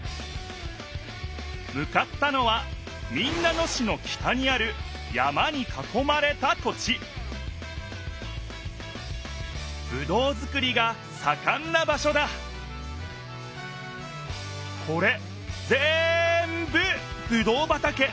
向かったのは民奈野市の北にある山にかこまれた土地ぶどうづくりがさかんな場所だこれぜんぶぶどう畑。